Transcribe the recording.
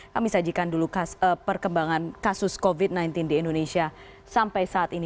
kami sajikan dulu perkembangan kasus covid sembilan belas di indonesia sampai saat ini